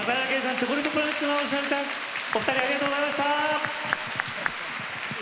チョコレートプラネットのお二人ありがとうございました。